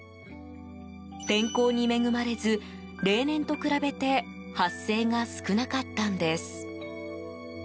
天候に恵まれず、例年と比べて発生が少なかったんです。